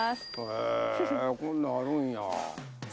へぇこんなんあるんや。